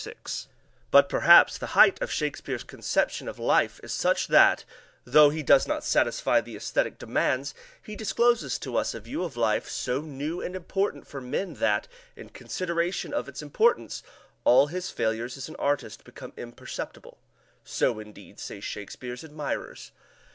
VI But, perhaps, the height of Shakespeare's conception of life is such that, tho he does not satisfy the esthetic demands, he discloses to us a view of life so new and important for men that, in consideration of its importance, all his failures as an artist become imperceptible. So, indeed, say Shakespeare's admirers.